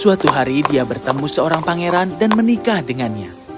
suatu hari dia bertemu seorang pangeran dan menikah dengannya